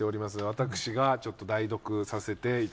私がちょっと代読させていただきます。